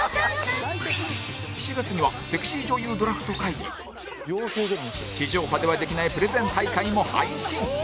７月にはセクシー女優ドラフト会議地上波ではできないプレゼン大会も配信